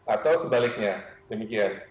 atau sebaliknya demikian